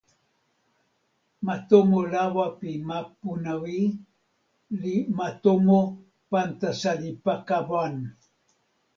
ma tomo lawa pi ma Punawi li ma tomo Pantasalipakawan.